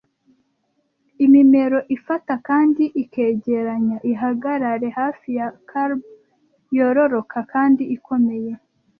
Imimero ifata kandi ikegeranya, ihagarare hafi ya curb yororoka kandi ikomeye,